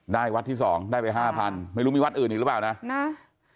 ได้วัดที่๒ได้ไป๕๐๐๐ไม่รู้มีวัดอื่นอีกหรือเปล่านะ